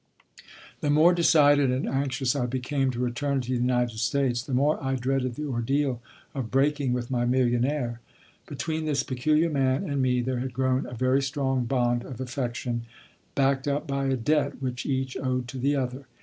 The more decided and anxious I became to return to the United States, the more I dreaded the ordeal of breaking with my millionaire. Between this peculiar man and me there had grown a very strong bond of affection, backed up by a debt which each owed to the other.